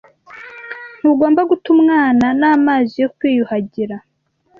Ntugomba guta umwana n'amazi yo kwiyuhagira.